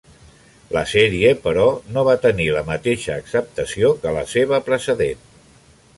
La sèrie però, no va tenir la mateixa acceptació que la seva precedent.